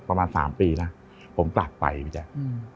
ประมาณ๓ปีนะผมกลับไปพี่แจ๊ค